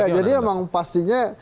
jadi emang pastinya